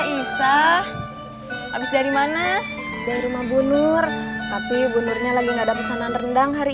bisa habis dari mana dari rumah bunur tapi bunurnya lagi nggak ada pesanan rendang hari